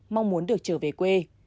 mong muốn được trở về quê